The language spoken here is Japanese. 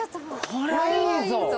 これはいいぞ。